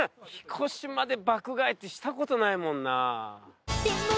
彦島で爆買いってしたことないもんな。